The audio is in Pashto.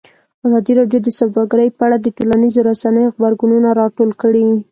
ازادي راډیو د سوداګري په اړه د ټولنیزو رسنیو غبرګونونه راټول کړي.